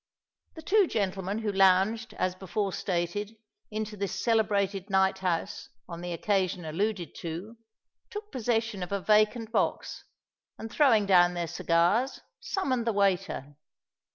The two gentlemen who lounged, as before stated, into this celebrated night house on the occasion alluded to, took possession of a vacant box, and throwing down their cigars, summoned the waiter.